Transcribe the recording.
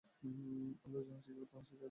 আমরা যাহা শিখিবার, তাহা শিখিয়াছি।